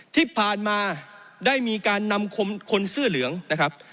ที่ผ่านมาได้มีการนำคนเสื้อเหลืองนะครับ